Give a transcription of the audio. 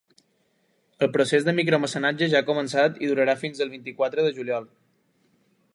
El procés de micromecenatge ja ha començat i durarà fins al vint-i-quatre de juliol.